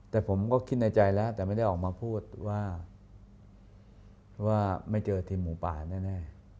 แต่ผมก็คิดในใจแล้วแต่ไม่ได้ออกมาพูดว่าไม่เจอทีมหมูป่าแน่